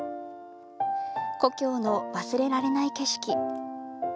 故郷の、忘れられない景色。